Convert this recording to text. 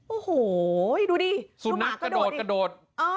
โอโหดูนี่สู่นักกระโดดกระโดด